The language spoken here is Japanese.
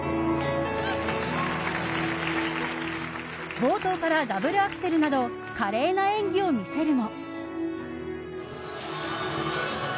冒頭からダブルアクセルなど華麗な演技を見せるも。